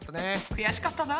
くやしかったな。